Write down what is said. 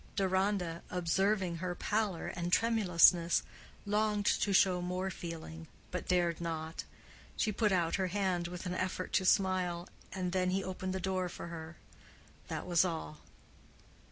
Deronda, observing her pallor and tremulousness, longed to show more feeling, but dared not. She put out her hand with an effort to smile, and then he opened the door for her. That was all.